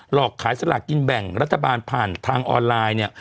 อกขายสลากกินแบ่งรัฐบาลผ่านทางออนไลน์เนี่ย